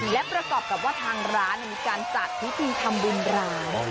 และประกอบกับว่าทางร้านมีการจัดพิธีทำบุญราว